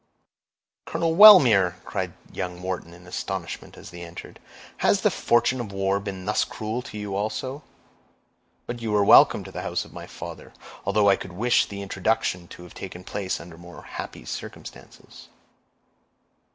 "Colonel Wellmere!" cried young Wharton in astonishment as they entered, "has the fortune of war been thus cruel to you also? But you are welcome to the house of my father, although I could wish the introduction to have taken place under more happy circumstances."